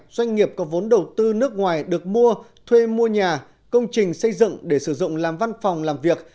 doanh nghiệp có vốn đầu tư nước ngoài được mua thuê mua nhà công trình xây dựng để sử dụng làm văn phòng làm việc